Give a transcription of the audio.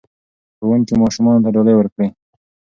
ښوونکي ماشومانو ته ډالۍ ورکړې.